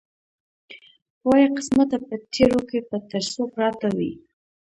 وایه قسمته په تېرو کې به تر څو پراته وي.